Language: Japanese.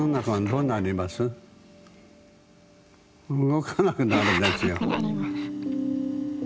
動かなくなるんですよ。